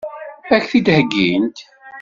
Ad k-t-id-heggint?